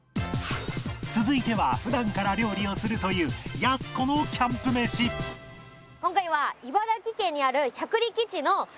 続いては普段から料理をするというやす子のキャンプ飯を作りたいと思います。